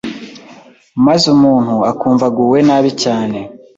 maze umuntu akumva aguwe nabi cyane.